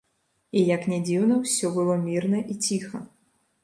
І, як не дзіўна, усё было мірна і ціха.